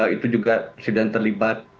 itu juga presiden terlibat